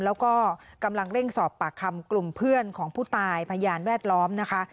แล้วก็กำลังเร่งสอบปากคำกลุ่มเพื่อนของผู้ตายพยานแวดล้อมนะคะ